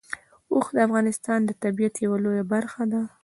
اوښ د افغانستان د طبیعت یوه لویه برخه ده.